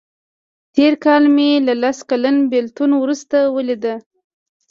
تېر کال مې له لس کلن بیلتون وروسته ولیده.